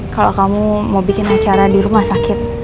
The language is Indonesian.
kalau kamu mau bikin acara di rumah sakit